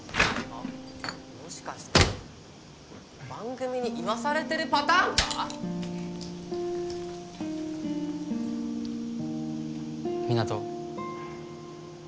あっもしかして番組に言わされてるパターンか⁉湊人。